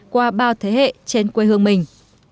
qua bao thế hệ trên quê hương mình